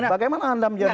bagaimana anda menjadi